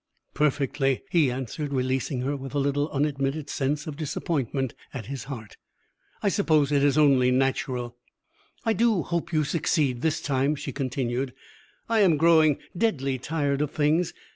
"Perfectly," he answered, releasing her with a little unadmitted sense of disappointment at his heart. "I suppose it is only natural." "I do hope you succeed this time," she continued. "I am growing deadly tired of things.